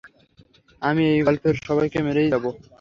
আমি এই গল্পের সবাইকে মেরেই যাব।